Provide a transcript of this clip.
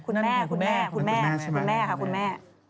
คุณแม่คุณแม่คุณแม่ค่ะคุณแม่